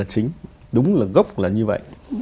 chính đúng là gốc là như vậy